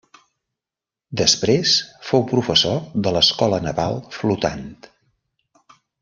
Després fou professor de l'Escola Naval Flotant.